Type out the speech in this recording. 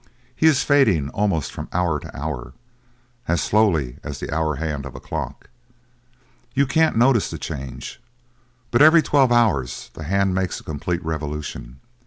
He is fading almost from hour to hour, as slowly as the hour hand of a clock. You can't notice the change, but every twelve hours the hand makes a complete revolution.